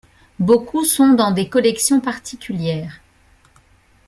Beaucoup sont dans des collections particulières.